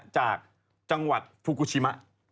จากจังหวัดฟูกูชิมะ